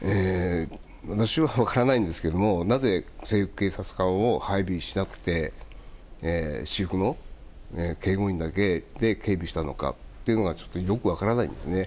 私は分からないですがなぜ、制服警察官を配備せず私服の警護員だけで警備したのかというのはちょっとよく分からないんです。